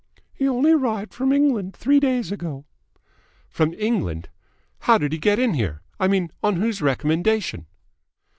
"He only arrived from England three days ago." "From England? How did he get in here? I mean, on whose recommendation?"